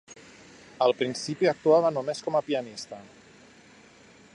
Al principi actuava només com a pianista.